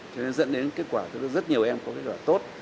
cho nên dẫn đến kết quả rất nhiều em có kết quả tốt